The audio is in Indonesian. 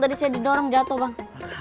tadi saya didorong jatuh bang